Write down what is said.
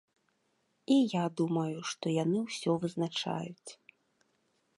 І я думаю, што яны ўсё вызначаюць.